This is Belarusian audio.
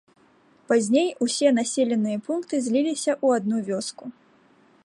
Пазней усе населеныя пункты зліліся ў адну вёску.